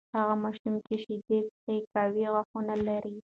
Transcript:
هغه ماشومان چې شیدې څښي، قوي غاښونه لري.